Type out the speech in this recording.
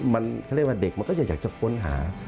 มันเขาเรียกว่าเด็กมันก็อยากจะค้นหา